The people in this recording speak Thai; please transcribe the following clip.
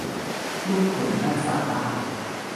ลูกขุน ณ ศาลา